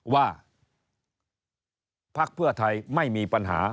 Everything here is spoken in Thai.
ว่าพักเพื่อไทยไม่มีปัญหา